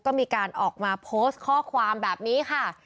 ก็มีการออกมาโพสต์ข้อความแบบนี้ค่ะ